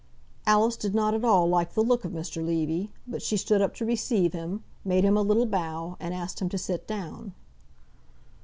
Alice did not at all like the look of Mr. Levy, but she stood up to receive him, made him a little bow, and asked him to sit down.